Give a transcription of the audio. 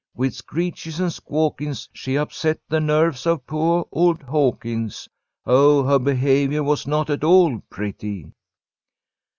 With screeches and squawkin's She upset the nerves of poah old Hawkins. Oh, her behaviour was not at all pretty."